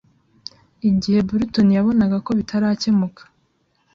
igihe Burton yabonaga ko bitarakemuka